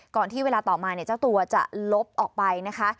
ที่เวลาต่อมาเนี่ยเจ้าตัวจะลบออกไปนะคะ